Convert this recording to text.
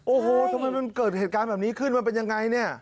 โอ้โหทำไมมันเกิดเหตุการณ์แบบนี้ขึ้นมันเป็นยังไงเนี่ย